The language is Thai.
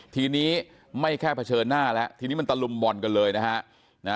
ทีนี้ไม่แค่เผชิญหน้าแล้วทีนี้มันตะลุมบ่อนกันเลยนะฮะ